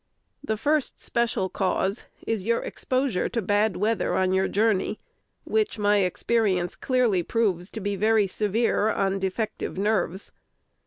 The first special cause is your exposure to bad weather on your journey, which my experience clearly proves to be very severe on defective nerves.